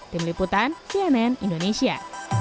tim liputan cnn indonesia